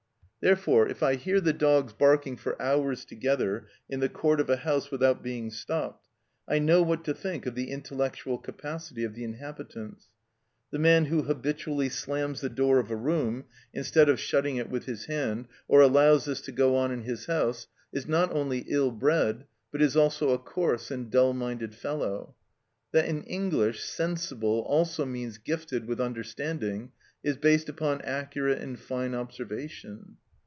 Therefore, if I hear the dogs barking for hours together in the court of a house without being stopped, I know what to think of the intellectual capacity of the inhabitants. The man who habitually slams the door of a room, instead of shutting it with his hand, or allows this to go on in his house, is not only ill bred, but is also a coarse and dull minded fellow. That in English "sensible" also means gifted with understanding is based upon accurate and fine observation.